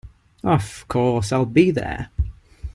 Of course, I’ll be there!